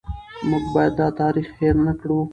موږ باید دا تاریخ هېر نه کړو.